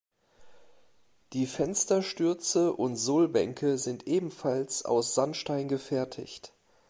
Die Fensterstürze und Sohlbänke sind ebenfalls aus Sandstein gefertigt.